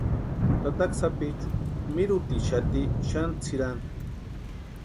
Tataka sapichu mirhutixati xani tsʼirani.